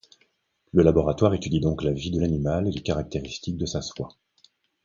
Le laboratoire étudie donc la vie de l'animal et les caractéristiques de sa soie.